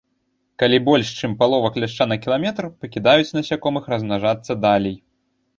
Калі больш, чым палова кляшча на кіламетр, пакідаюць насякомых размнажацца далей.